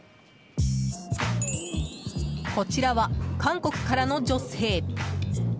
こちらは、韓国からの女性。